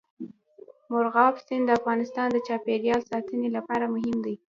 مورغاب سیند د افغانستان د چاپیریال ساتنې لپاره مهم دي.